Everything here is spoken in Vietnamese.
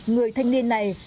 người thanh niên này